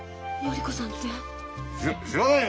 しっ知らないよ